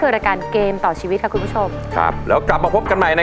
เกิดเสียแฟนไปช่วยไม่ได้นะ